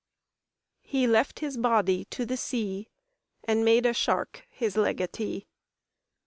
"He left his body to the sea, And made a shark his legatee."